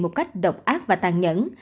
một cách độc ác và tàn nhẫn